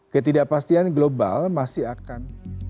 ketidakpastian global masih akan